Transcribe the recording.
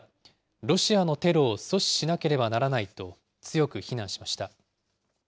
ロシアのテロを阻止しなければならないと強く非難しました。